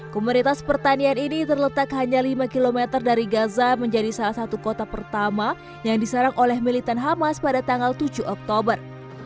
komunitas pertanian ini terletak hanya lima km dari gaza menjadi salah satu kota pertama yang diserang oleh militan hamas pada tanggal tujuh oktober